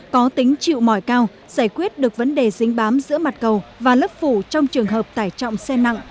có tính chịu mỏi cao giải quyết được vấn đề dính bám giữa mặt cầu và lớp phủ trong trường hợp tải trọng xe nặng